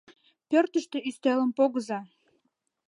Пӧртыштӧ ӱстелым погыза.